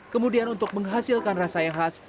kemudian untuk menghasilkan rasa yang khas